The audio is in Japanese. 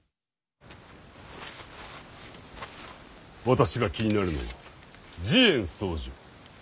私が気になるのは慈円僧正。